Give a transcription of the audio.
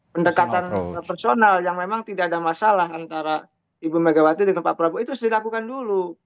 pendekatan personal yang memang tidak ada masalah antara ibu megawati dengan pak prabowo itu harus dilakukan dulu